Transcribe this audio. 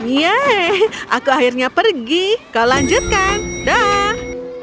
yeay aku akhirnya pergi kau lanjutkan dah